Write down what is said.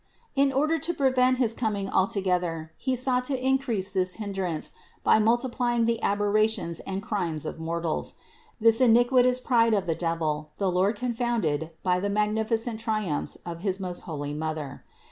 In order to prevent his coming altogether he sought to increase this hindrance by multiplying the aberrations and crimes of mortals. This iniquitous pride of the devil the Lord confounded by the magnifi cent triumphs of his most holy Mother.